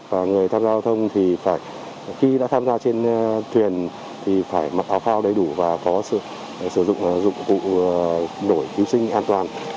và người tham gia giao thông thì khi đã tham gia trên thuyền thì phải mặc áo phao đầy đủ và có sử dụng dụng cụ đổi cứu sinh an toàn